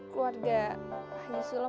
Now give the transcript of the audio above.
keluarga haji sulam